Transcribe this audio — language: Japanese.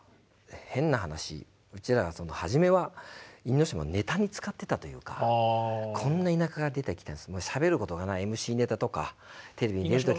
変な話うちらは初めは因島をネタに使ってたというかこんな田舎から出てきたやつもうしゃべることがないＭＣネタとかテレビに出る時の。